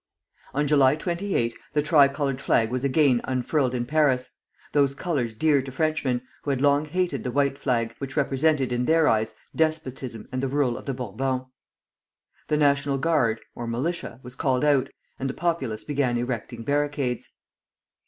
On July 28 the tricolored flag was again unfurled in Paris, those colors dear to Frenchmen, who had long hated the white flag, which represented in their eyes despotism and the rule of the Bourbons! The National Guard (or militia) was called out, and the populace began erecting barricades.